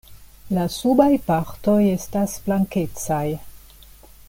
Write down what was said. La subaj partoj estas blankecaj.